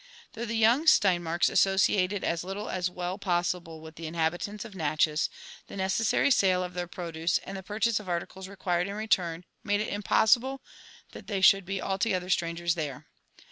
Though the young Steinmarks associated as little as was well pos sible with the inhabitants of Natchez, the necessary sale of their produce, and the purchase of articles required in return, made it im possible that they should be altogether strangers there.